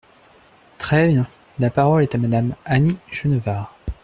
Très bien ! La parole est à Madame Annie Genevard.